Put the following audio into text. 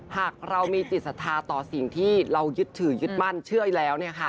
หากเรามีจิตศรัทธาต่อสิ่งที่เรายึดถือยึดมั่นเชื่อแล้ว